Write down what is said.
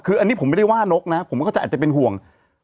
คืออันนี้ผมไม่ได้ว่านกนะผมก็จะอาจจะเป็นห่วง